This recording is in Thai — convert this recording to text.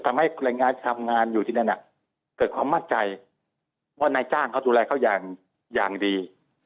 ทำให้แรงงานที่ทำงานอยู่ที่นั่นเกิดความมั่นใจว่านายจ้างเขาดูแลเขาอย่างดี